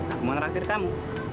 aku mau ngelakir kamu